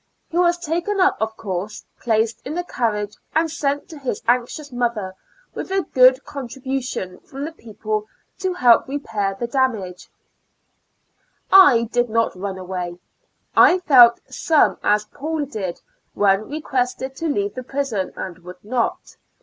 He was taken up of course, placed in a carriage and sent to his anxious mother, with a good contribution from the people to help repair the damage, I did not run away, I felt some as Paul did when requested to leave the prison and would not.